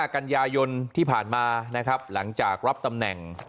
กันยายนที่ผ่านมานะครับหลังจากรับตำแหน่ง